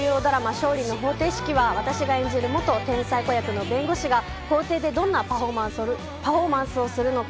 『勝利の法廷式』は私が演じる元天才子役の弁護士が法廷でどんなパフォーマンスをするのか。